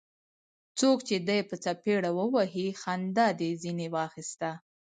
څوک چي دي په څپېړه ووهي؛ خندا دي ځني واخسته.